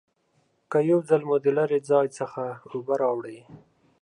که یو ځل مو د لرې ځای څخه اوبه راوړي